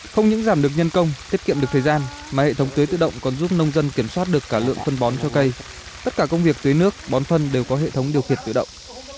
không những giảm được nhân công tiết kiệm được thời gian mà hệ thống tưới tự động còn giúp nông dân kiểm soát được cả lượng phân bón cho cây tất cả công việc tưới nước bón phân đều có hệ thống điều khiển tự động